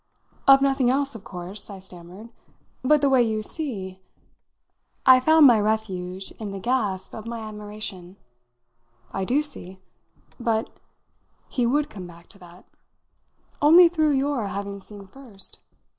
"Of nothing else, of course," I stammered. "But the way you see !" I found my refuge in the gasp of my admiration. "I do see. But" he would come back to that "only through your having seen first.